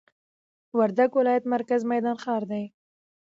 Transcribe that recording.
وردګ ولايت مرکز میدان ښار دي